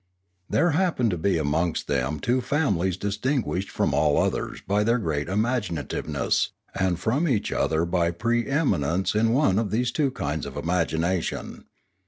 There happened to be amongst them two families distinguished from all others by their great imaginativeness, and from each other by pre eminence in one of these two kinds of imagination.